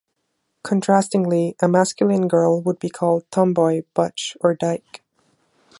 Contrastingly, a masculine girl would be called a "tomboy", "butch", or "dyke".